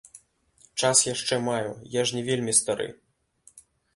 Час яшчэ маю, я ж не вельмі стары.